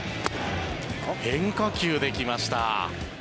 変化球できました。